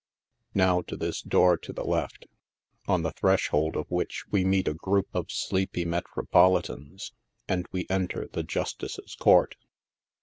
Now to this door to the left, on the threshold of which we meet a group of sleepy Metropolitans, and we enter the Justice's court.